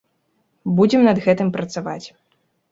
Будзем над гэтым працаваць.